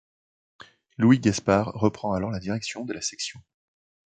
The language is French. Louis Gaspard reprend alors la direction de la section.